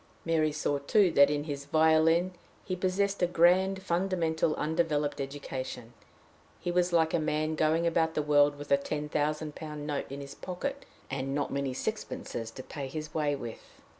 Mary saw too that in his violin he possessed a grand fundamental undeveloped education; he was like a man going about the world with a ten thousand pound note in his pocket, and not many sixpences to pay his way with.